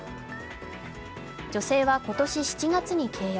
女性は今年７月に契約。